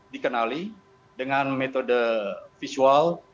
dikenali dengan metode visual